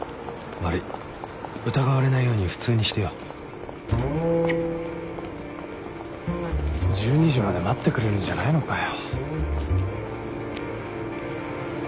悪い」「疑われないように普通にしてよう」１２時まで待ってくれるんじゃないのかよ。